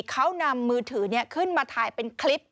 เขานำมือถือขึ้นมาถ่ายเป็นคลิป